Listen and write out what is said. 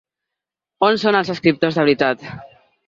On són els escriptors de veritat?